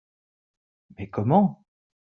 Mais comment?